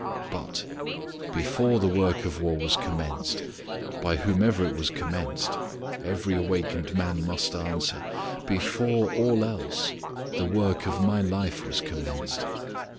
But before the work of war was commenced, by whomsoever it was commenced every awakened man must answer before all else the work of my life was commenced.